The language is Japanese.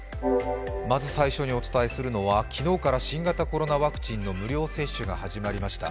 まず最初にお伝えするのは昨日から新型コロナワクチンの無料接種が始まりました